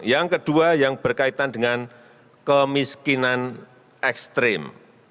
yang kedua yang berkaitan dengan kemiskinan ekstrim